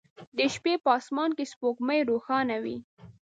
د شپې په اسمان کې سپوږمۍ روښانه وي